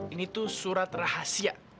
ini tuh surat rahasia